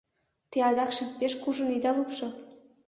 — Те адакшым пеш кужун идат лупшо.